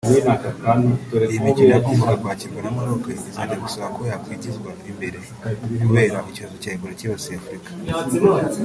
Iyi mikino yagombaga kwakirwa na Maroc iza gusaba ko yakwigizwa imbere kubera icyorezo cya Ebola kibasiye Afurika